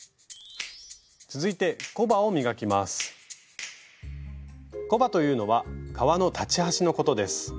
続いてコバというのは革の裁ち端のことです。